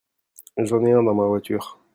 J'en ai un dans ma voiture.